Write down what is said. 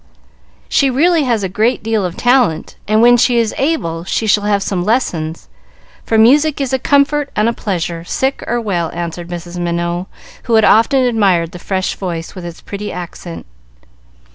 "She really has a great deal of talent, and when she is able she shall have some lessons, for music is a comfort and a pleasure, sick or well," answered Mrs. Minot, who had often admired the fresh voice, with its pretty accent.